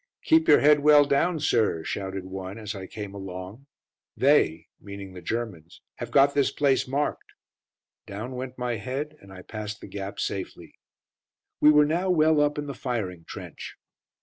"Keep your head well down, sir," shouted one, as I came along. "They" (meaning the Germans) "have got this place marked." Down went my head, and I passed the gap safely. We were now well up in the firing trench.